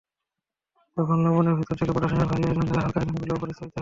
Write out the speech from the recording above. তখন লবণের ভেতর থেকে পটাশিয়ামের ভারী আয়ন দ্বারা হালকা আয়নগুলো প্রতিস্থাপিত হয়।